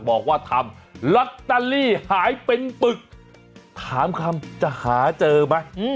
บอกว่าทำลอตเตอรี่หายเป็นปึกถามคำจะหาเจอไหม